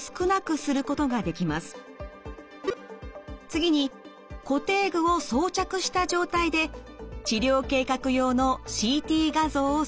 次に固定具を装着した状態で治療計画用のＣＴ画像を撮影。